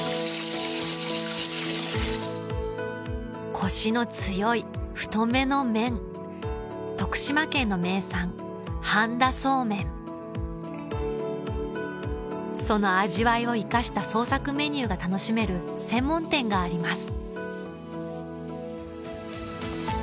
コシの強い太めの麺その味わいを生かした創作メニューが楽しめる専門店があります